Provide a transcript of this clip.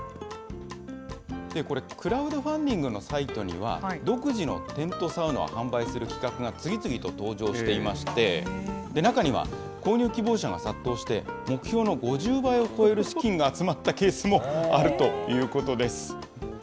これ、クラウドファンディングのサイトには、独自のテントサウナを販売する企画が次々と登場していまして、中には、購入希望者が殺到して、目標の５０倍を超える資金が集まったケースもあるということです。